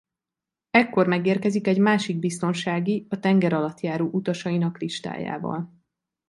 Ekkor megérkezik egy másik biztonsági a tengeralattjáró utasainak listájával.